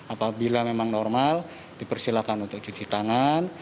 apabila memang normal dipersilakan untuk cuci tangan